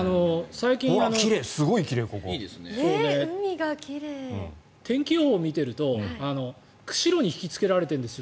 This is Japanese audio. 最近、天気予報を見てると釧路に引きつけられているんです。